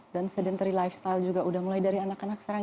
dan sedentary lifestyle juga sudah mulai dari anak anak sekarang